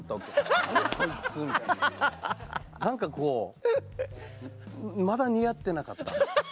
何かこうまだ似合ってなかった。